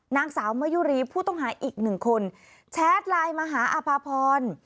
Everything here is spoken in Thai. นางสาวมะยุรีผู้ต้องหาอีกหนึ่งคนแชทไลน์มาหาอภาพร